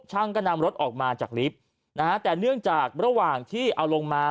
ก็นำรถออกมาจากลิฟต์นะฮะแต่เนื่องจากระหว่างที่เอาลงมา